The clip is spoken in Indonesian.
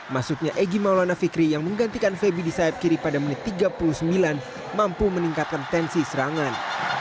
masuknya egy maulana fikri yang menggantikan febi di sayap kiri pada menit tiga puluh sembilan mampu meningkatkan tensi serangan